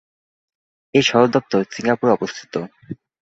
এর সদর দপ্তর সিঙ্গাপুরে অবস্থিত।